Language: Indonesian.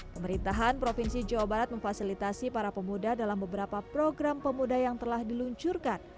pemerintahan provinsi jawa barat memfasilitasi para pemuda dalam beberapa program pemuda yang telah diluncurkan